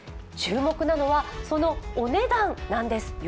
注目なのは、そのお値段なんです。